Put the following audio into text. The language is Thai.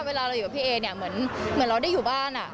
เวลาเราอยู่กับพี่เอเนี่ยเหมือนเราได้อยู่บ้าน